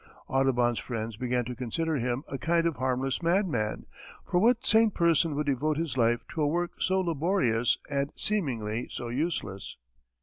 Audubon's friends began to consider him a kind of harmless madman, for what sane person would devote his life to a work so laborious and seemingly so useless?